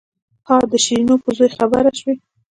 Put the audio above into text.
ها د شيرينو په زوى خبره سوې.